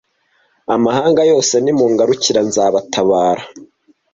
amahanga yose Nimungarukira nzabatabara